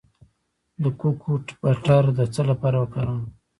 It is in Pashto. د کوکو بټر د څه لپاره وکاروم؟